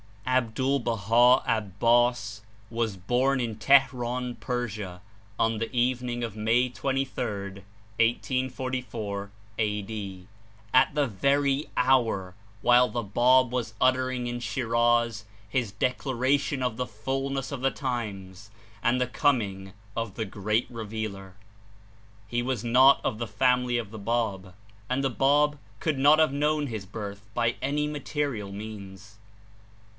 Abdul Baha Abbas was born in Teheran, Persia, on the evening of May 23rd, 1844, A. D.^ at the very hour while the Bab was uttering in Shiraz his declaration of the fulness of the times and the com ing of the Great Revealer. He was not of the family of the Bab, and the Bab could not have known his birth by any material means.